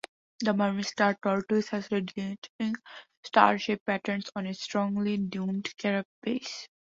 The Burmese Star Tortoise has radiating star-shaped patterns on its strongly domed carapace.